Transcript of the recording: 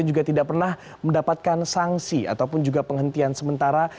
dan juga tidak pernah mendapatkan sanksi atau penghentian sementara